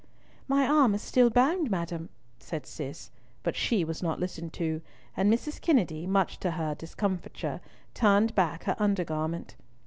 "My arm is still bound, madam," said Cis. But she was not listened to; and Mrs. Kennedy, much to her discomfiture, turned back her under garment.